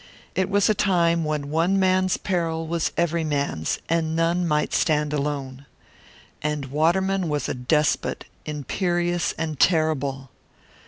It was a time when one man's peril was every man's, and none might stand alone. And Waterman was a despot, imperious and terrible.